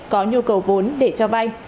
có nhu cầu vốn để cho vay